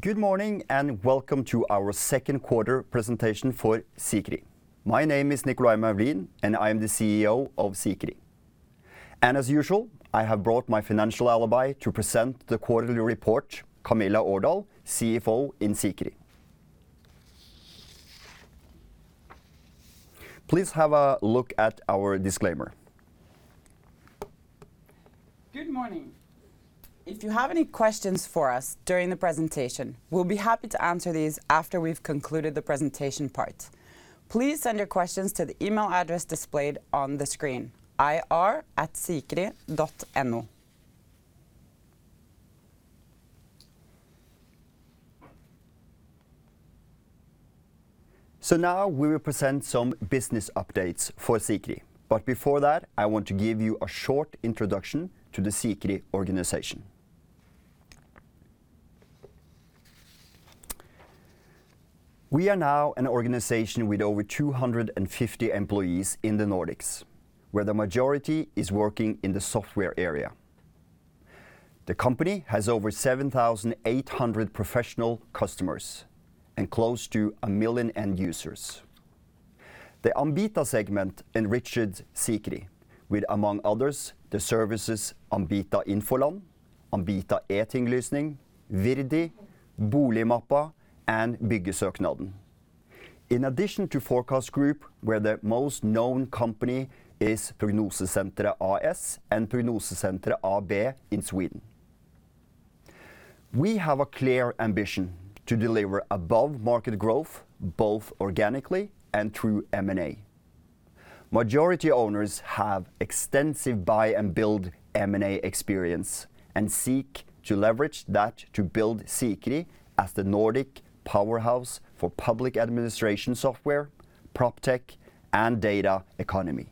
Good morning, and welcome to our second quarter presentation for Sikri. My name is Nicolay Moulin, I am the CEO of Sikri. As usual, I have brought my financial alibi to present the quarterly report, Camilla Aardal, CFO in Sikri. Please have a look at our disclaimer Good morning. If you have any questions for us during the presentation, we'll be happy to answer these after we've concluded the presentation part. Please send your questions to the email address displayed on the screen, per.lomsdalen@Sikrigroup.com. Now we will present some business updates for Sikri Group, but before that, I want to give you a short introduction to the Sikri Group organization. We are now an organization with over 250 employees in the Nordics, where the majority is working in the software area. The company has over 7,800 professional customers and close to 1 million end users. The Ambita segment enriched Sikri Group with, among others, the services Ambita Infoland, Ambita E-tinglysning, iVerdi, Boligmappa, and Byggesøknaden. In addition to 4CastGroup, where the most known company is Prognosesenteret AS and Prognoscentret AB in Sweden. We have a clear ambition to deliver above-market growth, both organically and through M&A. Majority owners have extensive buy and build M&A experience and seek to leverage that to build Sikri Group as the Nordic powerhouse for public administration software, PropTech, and data economy.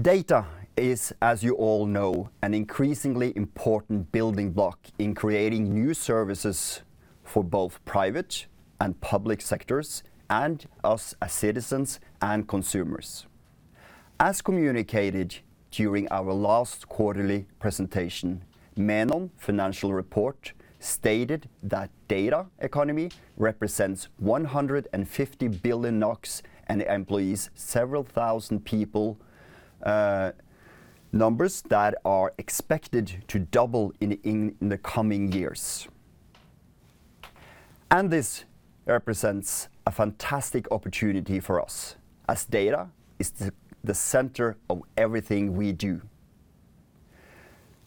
Data is, as you all know, an increasingly important building block in creating new services for both private and public sectors and us as citizens and consumers. As communicated during our last quarterly presentation, Menon Economics stated that data economy represents 150 billion NOK and employs several thousand people, numbers that are expected to double in the coming years. This represents a fantastic opportunity for us, as data is the center of everything we do.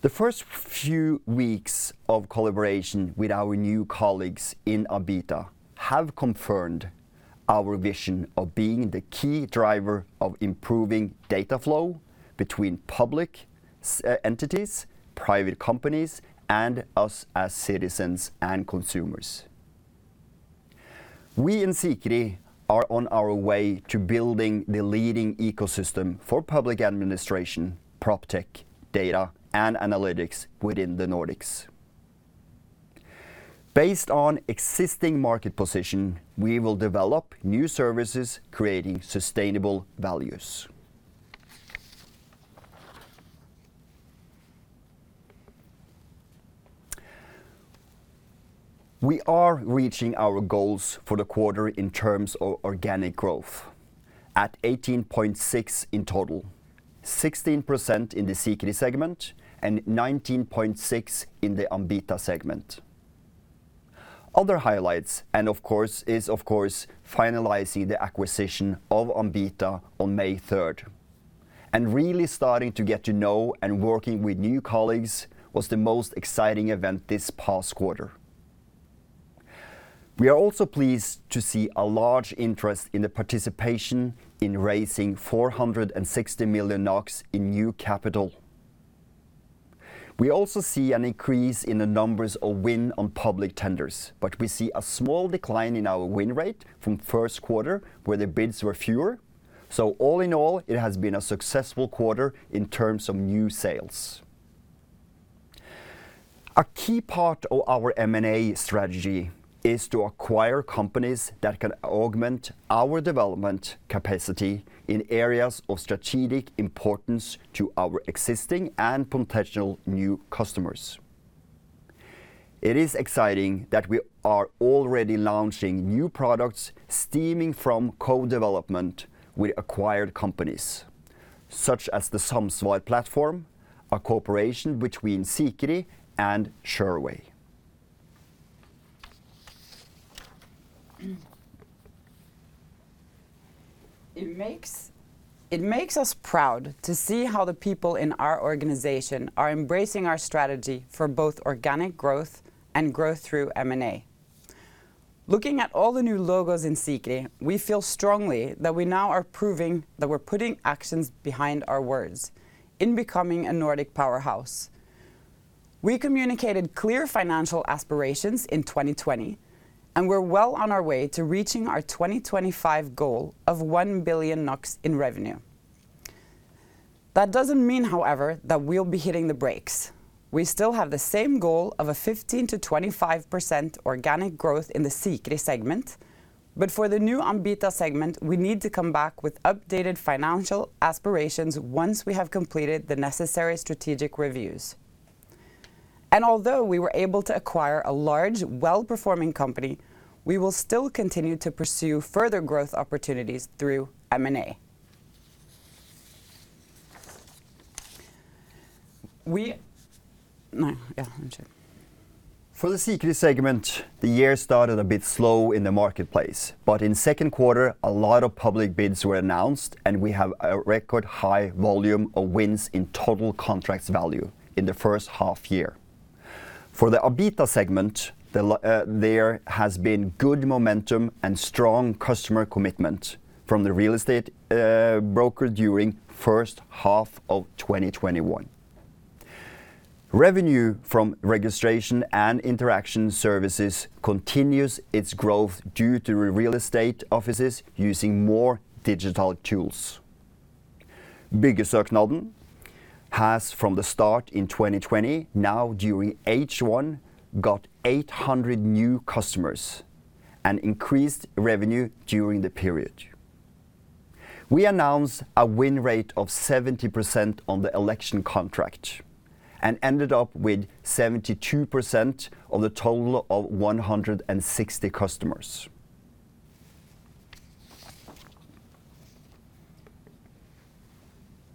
The first few weeks of collaboration with our new colleagues in Ambita have confirmed our vision of being the key driver of improving data flow between public entities, private companies, and us as citizens and consumers. We in Sikri are on our way to building the leading ecosystem for public administration, PropTech, data, and analytics within the Nordics. Based on existing market position, we will develop new services, creating sustainable values. We are reaching our goals for the quarter in terms of organic growth at 18.6 in total, 16% in the Sikri segment and 19.6 in the Ambita segment. Other highlights is of course finalizing the acquisition of Ambita on May 3rd and really starting to get to know and working with new colleagues was the most exciting event this past quarter. We are also pleased to see a large interest in the participation in raising 460 million NOK in new capital. We also see an increase in the numbers of win on public tenders. We see a small decline in our win rate from first quarter where the bids were fewer. All in all, it has been a successful quarter in terms of new sales. A key part of our M&A strategy is to acquire companies that can augment our development capacity in areas of strategic importance to our existing and potential new customers. It is exciting that we are already launching new products stemming from co-development with acquired companies such as the Samsvar platform, a cooperation between Sikri and Sureway. It makes us proud to see how the people in our organization are embracing our strategy for both organic growth and growth through M&A. Looking at all the new logos in Sikri, we feel strongly that we now are proving that we're putting actions behind our words in becoming a Nordic powerhouse. We communicated clear financial aspirations in 2020, we're well on our way to reaching our 2025 goal of 1 billion NOK in revenue. That doesn't mean, however, that we'll be hitting the brakes. We still have the same goal of a 15%-25% organic growth in the Sikri segment. For the new Ambita segment, we need to come back with updated financial aspirations once we have completed the necessary strategic reviews. Although we were able to acquire a large, well-performing company, we will still continue to pursue further growth opportunities through M&A. For the Sikri segment, the year started a bit slow in the marketplace. In second quarter, a lot of public bids were announced, and we have a record high volume of wins in total contracts value in the first half year. For the Ambita segment, there has been good momentum and strong customer commitment from the real estate broker during first half of 2021. Revenue from registration and interaction services continues its growth due to real estate offices using more digital tools. Byggesøknaden has, from the start in 2020, now during H1, got 800 new customers and increased revenue during the period. We announced a win rate of 70% on the election contract and ended up with 72% on the total of 160 customers.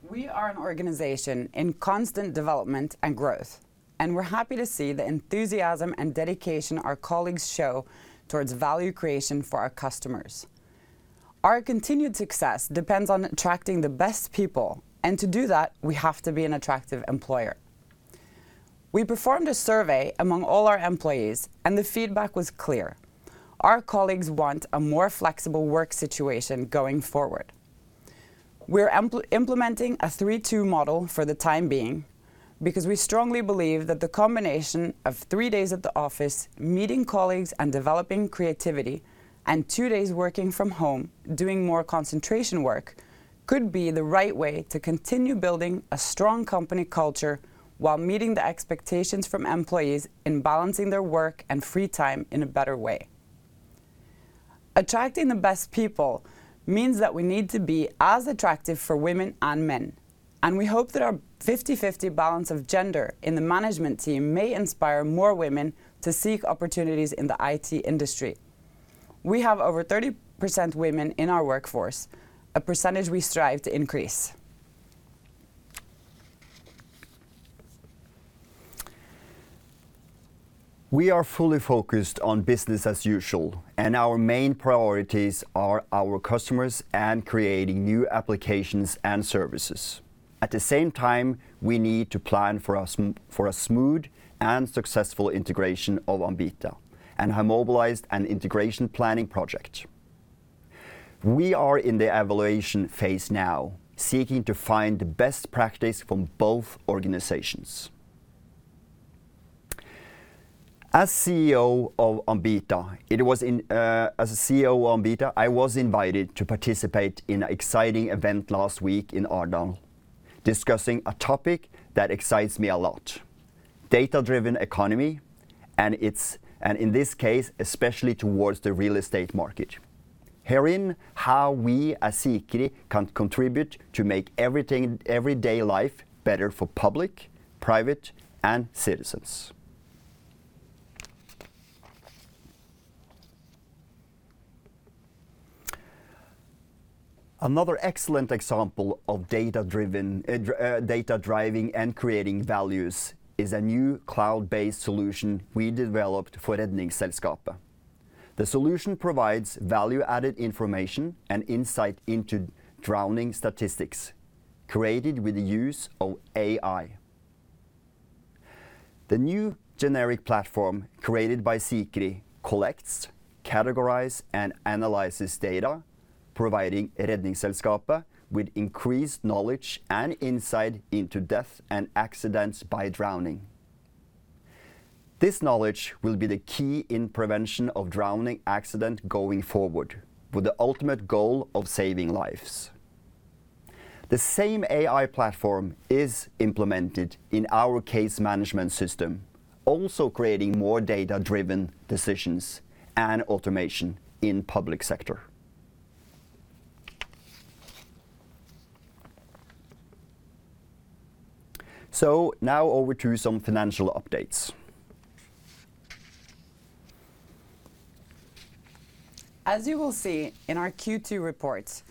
We are an organization in constant development and growth, and we're happy to see the enthusiasm and dedication our colleagues show towards value creation for our customers. Our continued success depends on attracting the best people, and to do that, we have to be an attractive employer. We performed a survey among all our employees, and the feedback was clear. Our colleagues want a more flexible work situation going forward. We're implementing a three to two model for the time being because we strongly believe that the combination of three days at the office, meeting colleagues and developing creativity, and two days working from home, doing more concentration work, could be the right way to continue building a strong company culture while meeting the expectations from employees in balancing their work and free time in a better way. Attracting the best people means that we need to be as attractive for women and men, and we hope that our 50/50 balance of gender in the management team may inspire more women to seek opportunities in the IT industry. We have over 30% women in our workforce, a percentage we strive to increase. We are fully focused on business as usual, and our main priorities are our customers and creating new applications and services. At the same time, we need to plan for a smooth and successful integration of Ambita and have mobilized and integration planning project. We are in the evaluation phase now, seeking to find the best practice from both organizations. As CEO of Ambita, I was invited to participate in an exciting event last week in Arendal, discussing a topic that excites me a lot, data-driven economy, and in this case, especially towards the real estate market. Hearing how we as Sikri can contribute to make everyday life better for public, private, and citizens. Another excellent example of data driving and creating values is a new cloud-based solution we developed for Redningsselskapet. The solution provides value-added information and insight into drowning statistics, created with the use of AI. The new generic platform created by Sikri collects, categorize, and analyzes data, providing Redningsselskapet with increased knowledge and insight into death and accidents by drowning. This knowledge will be the key in prevention of drowning accident going forward, with the ultimate goal of saving lives. The same AI platform is implemented in our case management system, also creating more data-driven decisions and automation in public sector. Now over to some financial updates. As you will see in our Q2 report,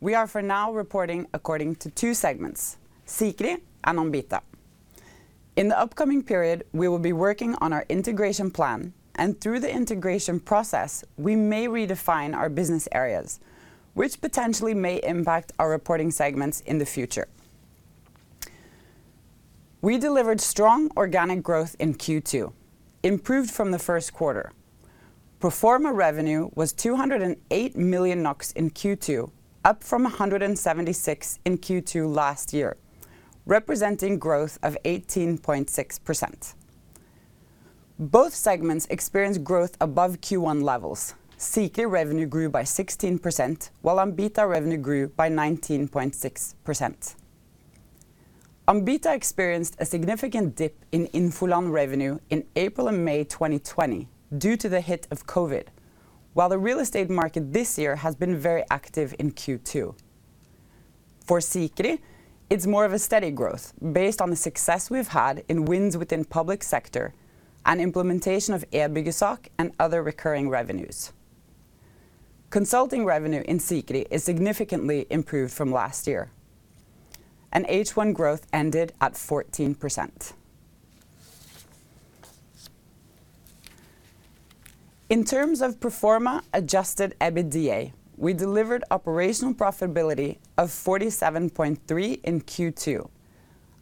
we are for now reporting according to two segments, Sikri and Ambita. In the upcoming period, we will be working on our integration plan, and through the integration process, we may redefine our business areas, which potentially may impact our reporting segments in the future. We delivered strong organic growth in Q2, improved from the 1st quarter. Pro forma revenue was 208 million NOK in Q2, up from 176 in Q2 last year, representing growth of 18.6%. Both segments experienced growth above Q1 levels. Sikri revenue grew by 16%, while Ambita revenue grew by 19.6%. Ambita experienced a significant dip in Infoland revenue in April and May 2020 due to the hit of COVID, while the real estate market this year has been very active in Q2. For Sikri, it's more of a steady growth based on the success we've had in wins within public sector and implementation of eByggesak and other recurring revenues. Consulting revenue in Sikri is significantly improved from last year. H1 growth ended at 14%. In terms of pro forma adjusted EBITDA, we delivered operational profitability of 47.3 in Q2,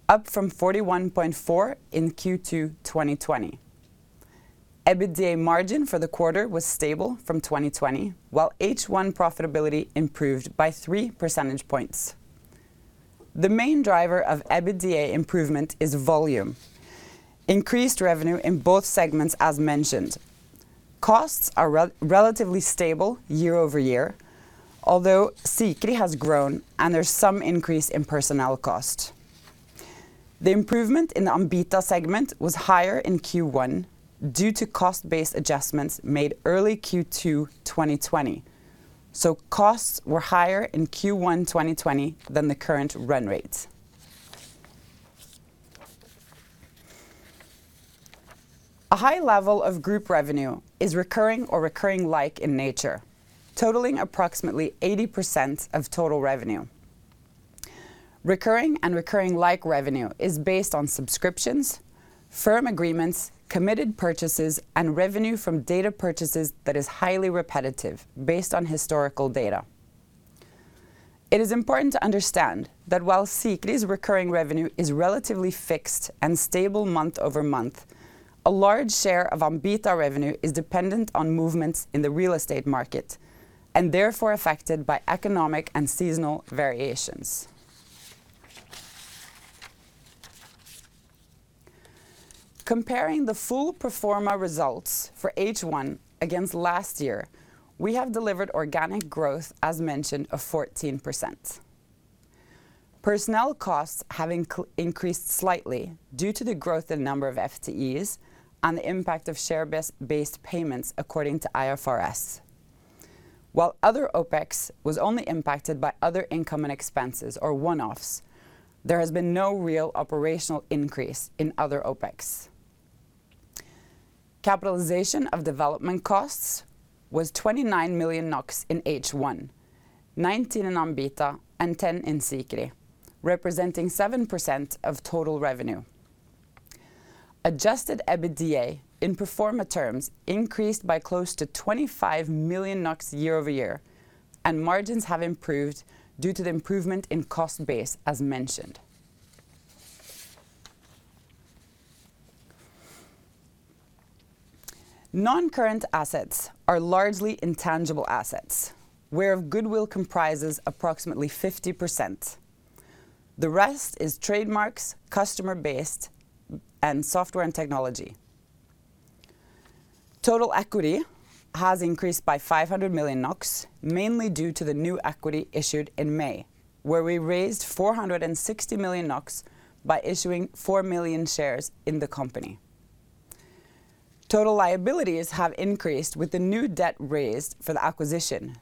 up from 41.4 in Q2 2020. EBITDA margin for the quarter was stable from 2020, while H1 profitability improved by three percentage points. The main driver of EBITDA improvement is volume. Increased revenue in both segments as mentioned. Costs are relatively stable year-over-year, although Sikri has grown and there's some increase in personnel cost. The improvement in the Ambita segment was higher in Q1 due to cost-based adjustments made early Q2 2020. Costs were higher in Q1 2020 than the current run rates. A high level of group revenue is recurring or recurring-like in nature, totaling approximately 80% of total revenue. Recurring and recurring-like revenue is based on subscriptions, firm agreements, committed purchases, and revenue from data purchases that is highly repetitive, based on historical data. It is important to understand that while Sikri's recurring revenue is relatively fixed and stable month-over-month, a large share of Ambita revenue is dependent on movements in the real estate market, and therefore affected by economic and seasonal variations. Comparing the full pro forma results for H1 against last year, we have delivered organic growth, as mentioned, of 14%. Personnel costs have increased slightly due to the growth in number of FTEs and the impact of share-based payments according to IFRS. While other OpEx was only impacted by other income and expenses or one-offs, there has been no real operational increase in other OpEx. Capitalization of development costs was 29 million NOK in H1, 19 million in Ambita and 10 million in Sikri, representing 7% of total revenue. Adjusted EBITDA in pro forma terms increased by close to 25 million NOK year-over-year, and margins have improved due to the improvement in cost base as mentioned. Non-current assets are largely intangible assets, where goodwill comprises approximately 50%. The rest is trademarks, customer-based, and software and technology. Total equity has increased by 500 million NOK, mainly due to the new equity issued in May, where we raised 460 million NOK by issuing 4 million shares in the company. Total liabilities have increased with the new debt raised for the acquisition.